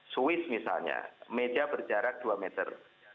swiss misalnya meja berjarak dua meter